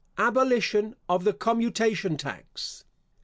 Abolition of the commutation tax.